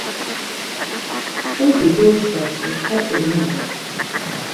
Badi goişaşu hatzi mu vas?